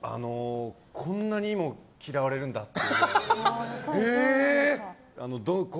こんなにも嫌われるんだって。